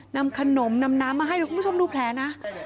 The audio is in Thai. นำขนมนำน้ำมาให้เดี๋ยวคุณผู้ชมดูแผลนะ